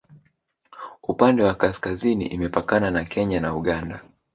upande wa kaskazini imepakana na kenya na uganda